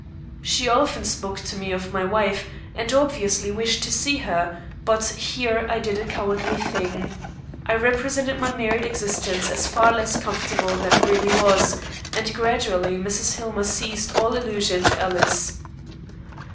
She often spoke to me of my wife, and obviously wished to see her, but here I did a cowardly thing. I represented my married existence as far less comfortable than it really was, and gradually Mrs. Hillmer ceased all allusion to Alice.